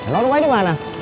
lo rumahnya dimana